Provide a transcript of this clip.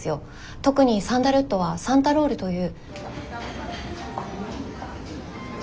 特にサンダルウッドはサンタロールという。